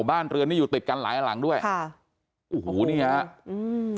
บ้านเรือนนี้อยู่ติดกันหลายหลังด้วยค่ะโอ้โหนี่ฮะอืม